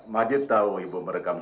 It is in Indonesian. majid tahu ibu merekam